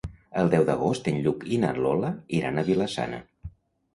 El deu d'agost en Lluc i na Lola iran a Vila-sana.